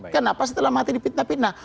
kenapa setelah mati dipitna pitna